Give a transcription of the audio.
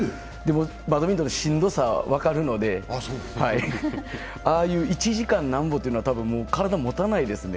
バドミントンのしんどさ、分かるので、ああいう１時間なんぼというのは体がもたないですのね。